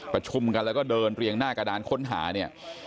ประชุมกันแล้วก็เดินเรียงหน้ากระดานค้นหาเนี่ย